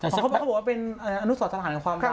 ก็เพราะเขาบอกว่าเป็นอนุสัทธานความรัก